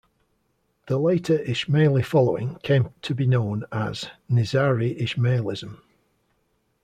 The later Ismaili following came to be known as "Nizari Ismailism".